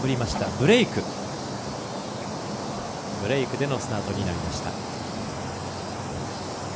ブレークでのスタートになりました。